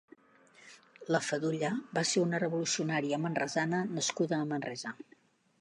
La Fadulla va ser una revolucionària manresana nascuda a Manresa.